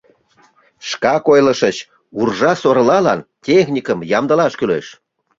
— Шкак ойлышыч: уржа-сорлалан техникым ямдылаш кӱлеш.